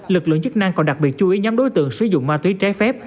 lực lượng chức năng còn đặc biệt chú ý nhóm đối tượng sử dụng ma túy trái phép